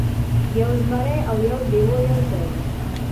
یو زمری او یو لیوه یو ځای وو.